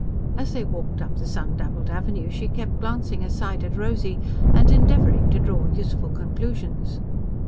As they walked up the sun dappled avenue she kept glancing aside at Rosy, and endeavouring to draw useful conclusions.